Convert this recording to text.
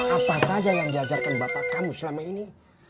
apa saja yang diajarkan bapak kamu selama ini